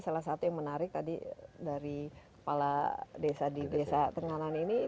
salah satu yang menarik tadi dari kepala desa di desa tenganan ini